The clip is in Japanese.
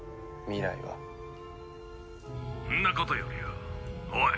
んなことよりよおい！